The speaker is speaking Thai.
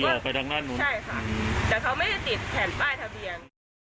ออกไปทางด้านนู้นใช่ค่ะแต่เขาไม่ได้ติดแผ่นป้ายทะเบียน